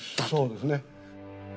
そうですね。